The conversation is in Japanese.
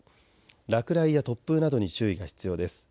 落雷や突風などに注意が必要です。